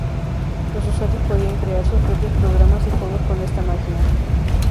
Los usuarios podían crear sus propios programas y juegos con esta máquina.